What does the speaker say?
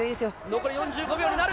残り４５秒になる。